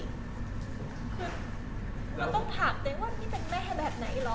คือเราต้องถามตัวเองว่าพี่เป็นแม่แบบไหนเหรอ